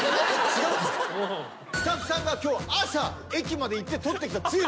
スタッフさんが今日朝駅まで行って取ってきたつゆ。